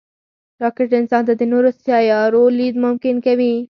راکټ انسان ته د نورو سیارو لید ممکن کوي